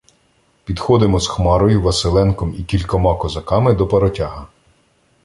Підходимо з Хмарою, Василенком і кількома козаками до паротяга.